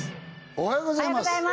おはようございます